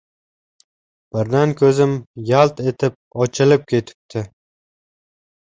Birdan ko‘zim yalt etib ochilib ketibdi.